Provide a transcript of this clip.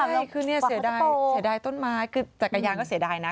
ใช่คือเนี่ยเสียดายต้นไม้จักรยานก็เสียดายนะ